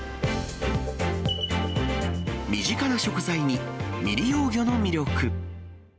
身近な食材に未利用魚の魅力。